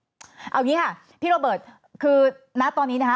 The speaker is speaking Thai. เอาอย่างนี้ค่ะพี่โรเบิร์ตคือณตอนนี้นะคะ